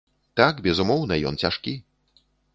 Так, безумоўна, ён цяжкі.